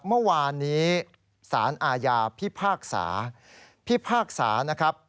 เมื่อวานนี้สารอาญาพิพากษาพิพากษานะครับ